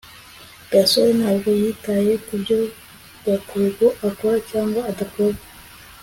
gasore ntabwo yitaye kubyo gakwego akora cyangwa adakora